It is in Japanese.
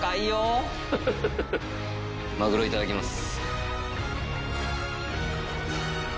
マグロいただきます。